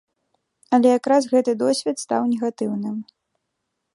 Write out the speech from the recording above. Але якраз гэты досвед стаў негатыўным.